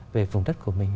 về vùng đất của mình